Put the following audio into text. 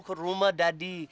ke rumah dari